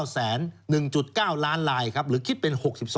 ๑๙แสน๑๙ล้านลายครับหรือคิดเป็น๖๒นะครับ